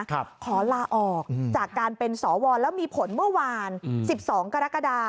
ขอลาออกจากการเป็นสวแล้วมีผลเมื่อวาน๑๒กรกฎา